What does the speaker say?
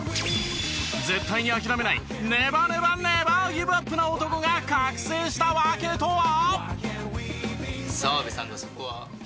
絶対に諦めないネバネバネバーギブアップな男が覚醒した訳とは！？